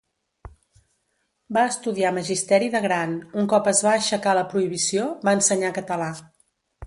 Va estudiar magisteri de gran; un cop es va aixecar la prohibició, va ensenyar català.